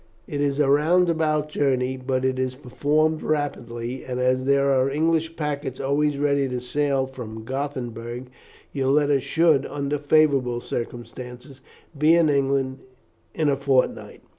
It is a round about journey, but it is performed rapidly; and as there are English packets always ready to sail from Gothenburg, your letters should, under favourable circumstances, be in England in a fortnight.